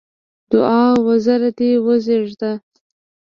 دوعا: وزر دې وزېږده!